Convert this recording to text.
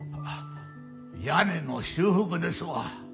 屋根の修復ですわ。